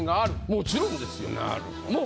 もちろんですよ。